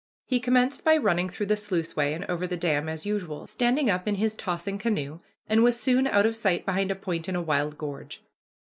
He commenced by running through the sluiceway and over the dam, as usual, standing up in his tossing canoe, and was soon out of sight behind a point in a wild gorge.